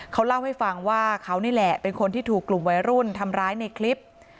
เขาเล่าให้ฟังว่าเขานี่แหละเป็นคนที่ถูกกลุ่มวัยรุ่นทำร้ายในคลิป